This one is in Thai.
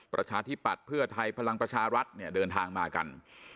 ประชาธิปัตย์เพื่อไทยพลังประชารัฐเนี่ยเดินทางมากัน